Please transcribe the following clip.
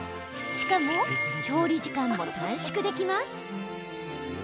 しかも、調理時間も短縮できます。